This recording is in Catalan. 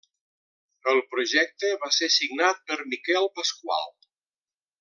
El projecte va ser signat per Miquel Pasqual.